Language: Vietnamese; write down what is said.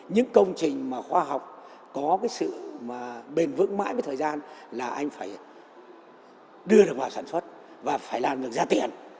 những công trình mà khoa học có cái sự mà bền vững mãi với thời gian là anh phải đưa được vào sản xuất và phải làm được ra tiền